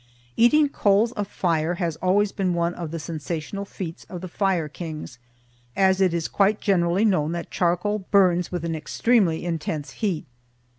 Eating coals of fire has always been one of the sensational feats of the Fire Kings, as it is quite generally known that charcoal burns with an extremely intense heat.